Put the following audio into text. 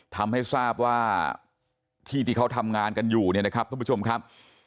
ทำให้ทราบว่าที่ที่เขาทำงานกันอยู่เนี่ยนะครับทุกผู้ชมครับ